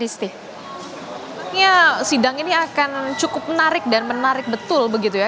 sidang ini akan cukup menarik dan menarik betul begitu ya